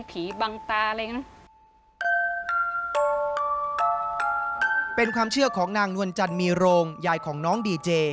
เป็นความเชื่อของนางนวลจันทร์มีโรงยายของน้องดีเจ